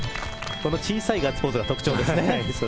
この小さいガッツポーズが特徴ですね。